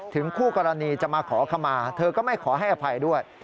คู่กรณีจะมาขอขมาเธอก็ไม่ขอให้อภัยด้วย